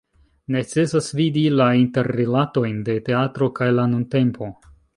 Necesas vidi la interrilatojn de teatro kaj la nuntempo.